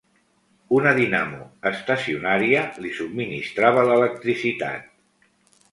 Una dinamo estacionària li subministrava l'electricitat.